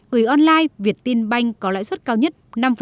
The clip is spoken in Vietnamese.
gửi online việt tinh banh có lãi suất cao nhất năm một mươi năm